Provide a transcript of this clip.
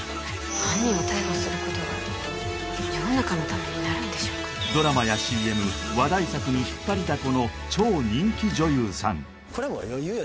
犯人を逮捕することは世の中のためになるんでしょうかドラマやＣＭ話題作に引っ張りだこのこれはもう余裕よ